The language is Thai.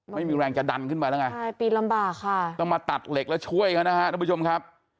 ไม่มีแรงจะดันขึ้นไปแล้วไงต้องมาตัดเหล็กแล้วช่วยกันนะครับทุกผู้ชมครับ